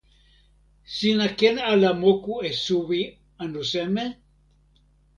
sina ken ala moku e suwi anu seme?